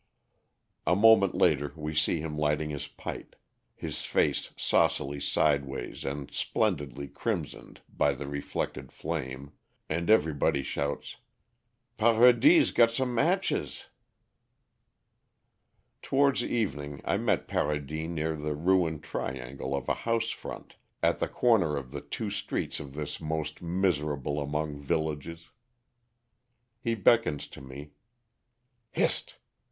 A moment later we see him lighting his pipe, his face saucily sideways and splendidly crimsoned by the reflected flame, and everybody shouts, "Paradis' got some matches!" Towards evening I meet Paradis near the ruined triangle of a house front at the corner of the two streets of this most miserable among villages. He beckons to me. "Hist!"